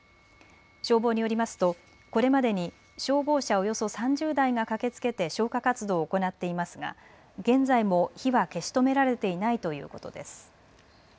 消防によりますとこれまでに消防車およそ３０台が駆けつけて消火活動を行っていますが現在も火は消し止められていないということです。